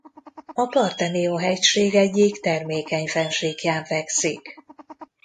A Partenio-hegység egyik termékeny fennsíkján fekszik.